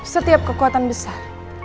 setiap kekuatan besar